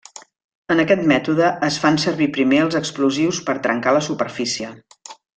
En aquest mètode es fan servir primer els explosius per trencar la superfície.